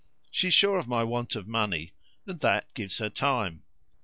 She's sure of my want of money, and that gives her time.